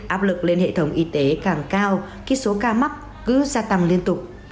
áp lực lên hệ thống y tế càng cao khi số ca mắc cứ gia tăng liên tục